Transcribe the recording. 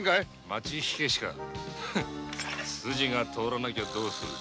町火消か筋が通らなきゃどうする？